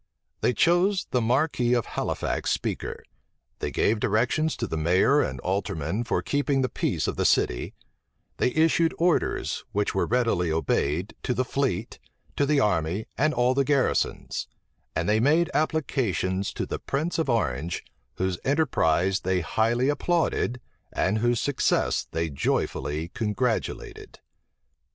They chose the marquis of Halifax speaker: they gave directions to the mayor and aldermen for keeping the peace of the city: they issued orders, which were readily obeyed, to the fleet, the army, and all the garrisons: and they made applications to the prince of Orange, whose enterprise they highly applauded, and whose success they joyfully congratulated.